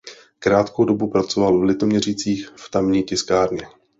Krátkou dobu pracoval v Litoměřicích v tamní tiskárně.